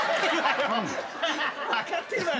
分かってるわよ。